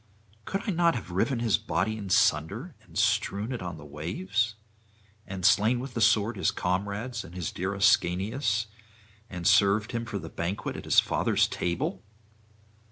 Could I not have riven his body in sunder and strewn it on the waves? and slain with the sword his comrades and his dear Ascanius, and served him for the banquet at his father's table?